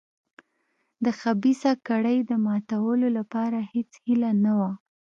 د خبیثه کړۍ د ماتولو لپاره هېڅ هیله نه وه.